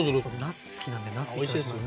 なす好きなんでなす頂きます。